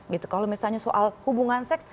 gitu kalau misalnya soal hubungan seks